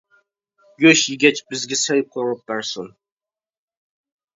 گۆش يېگەچ بىزگە سەي قورۇپ بەرسۇن!